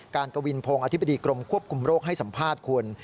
กวินพงศ์อธิบดีกรมควบคุมโรคให้สัมภาษณ์คุณ